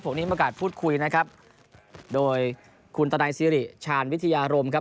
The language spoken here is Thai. ผมนี้ประกาศพูดคุยนะครับโดยคุณตนัยซิริชาญวิทยารมครับ